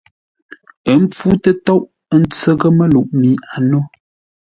Ə́ pfú tə́tóʼ, ə́ ntsə́ghʼə́ məluʼ mi a nó.